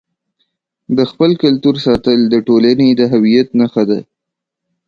د خپل کلتور ساتل د ټولنې د هویت نښه ده.